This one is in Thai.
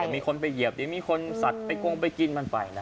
มีคนไปเหยียบมีคนสัตว์ไปกล้องไปกินมันไป